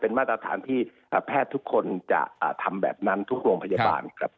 มาตรฐานที่แพทย์ทุกคนจะทำแบบนั้นทุกโรงพยาบาลครับ